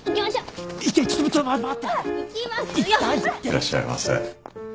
いらっしゃいませ。